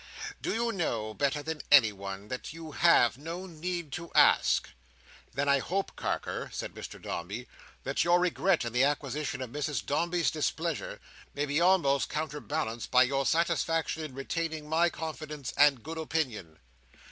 "Do you know better than anyone, that you have no need to ask?" "Then I hope, Carker," said Mr Dombey, "that your regret in the acquisition of Mrs Dombey's displeasure, may be almost counterbalanced by your satisfaction in retaining my confidence and good opinion."